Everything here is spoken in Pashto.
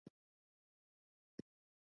ایا د ادرار زور مو کم دی؟